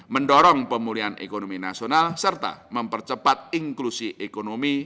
mendorong pemulihan ekonomi nasional serta mempercepat inklusi ekonomi